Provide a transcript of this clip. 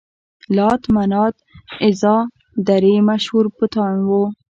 لات، منات، عزا درې مشهور بتان وو.